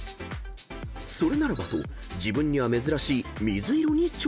［それならばと自分には珍しい水色に挑戦］